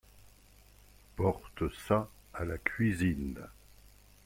Porte ça à la cuisine.